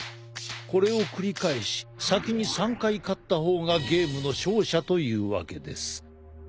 これを繰り返し先に３回勝った方がゲームの勝者というわけです。